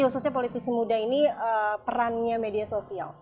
khususnya politisi muda ini perannya media sosial